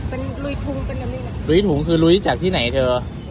เป็นลุยทุ่งเป็นอะไรเนี่ยลุยถุงคือลุยจากที่ไหนเธอ